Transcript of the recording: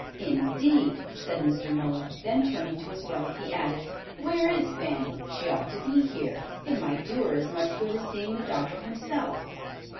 "Indeed!" said Mr. Miller. Then turning to his wife, he added, "Where is Fanny? She ought to be here. It might do her as much good as seeing the doctor himself."